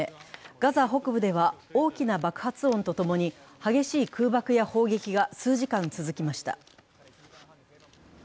ガザ北部では、大きな爆発音とともに激しい空爆や砲撃が数時間続きました。